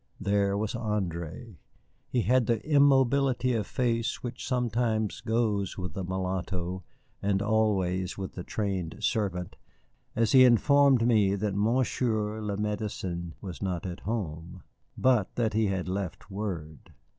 There was André. He had the immobility of face which sometimes goes with the mulatto, and always with the trained servant, as he informed me that Monsieur le Médecin was not at home, but that he had left word.